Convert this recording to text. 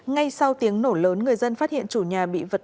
ngay sau tiếng nổ lớn người dân phát hiện chủ nhà bị vật